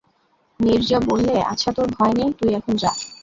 নীরজা বললে, আচ্ছা তোর ভয় নেই, তুই এখন যা।